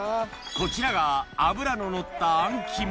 こちらが脂ののったあん肝